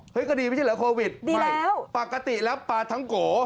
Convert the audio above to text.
เฮ้ยก็ดีไม่ใช่เหรอโควิดไม่นี่ปกติแล้วปาท้องโก